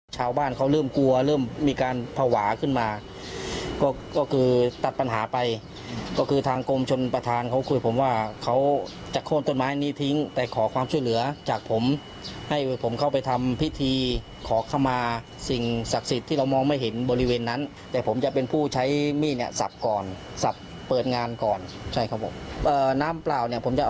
ชาวบ้านเขาเริ่มกลัวเริ่มมีการภาวะขึ้นมาก็คือตัดปัญหาไปก็คือทางกรมชนประธานเขาคุยผมว่าเขาจะโค้นต้นไม้นี้ทิ้งไปขอความช่วยเหลือจากผมให้ผมเข้าไปทำพิธีขอเข้ามาสิ่งศักดิ์สิทธิ์ที่เรามองไม่เห็นบริเวณนั้นแต่ผมจะเป็นผู้ใช้มีดเนี่ยสับก่อนสับเปิดงานก่อนใช่ครับผมเอ่อน้ำเปล่าเนี่ยผมจะ